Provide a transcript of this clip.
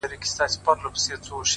• په لمبو د کوه طور کي نڅېدمه ,